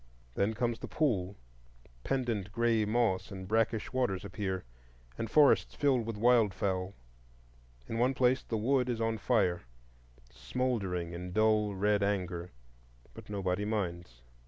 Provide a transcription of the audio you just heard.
Then comes the pool; pendent gray moss and brackish waters appear, and forests filled with wildfowl. In one place the wood is on fire, smouldering in dull red anger; but nobody minds.